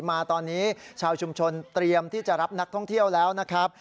มาตอนนี้ชาวชุมชนเตรียมที่จะรับนักท่องเที่ยวแล้วนะครับ